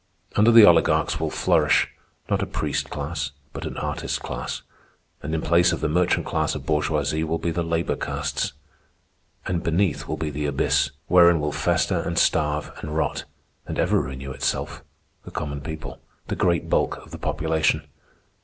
Under the oligarchs will flourish, not a priest class, but an artist class. And in place of the merchant class of bourgeoisie will be the labor castes. And beneath will be the abyss, wherein will fester and starve and rot, and ever renew itself, the common people, the great bulk of the population.